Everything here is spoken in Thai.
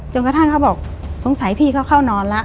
เขาบอกสงสัยพี่เขาเข้านอนแล้ว